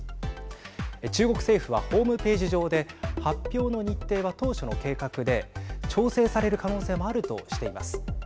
中国政府はホームページ上で発表の日程は当初の計画で調整される可能性もあるとしています。